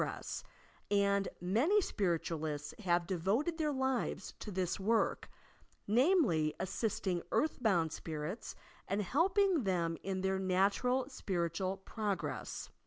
s, and many Spiritualists have devoted their lives to this work — namely, assisting earthbouud spirits and helping them in their natural spiritual progre.ss.